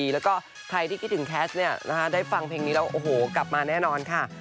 แล้วก็ใครที่คิดถึงแคสต์ได้ฟังเพลงนี้แล้วโอ้โหกลับมาแน่นอนค่ะ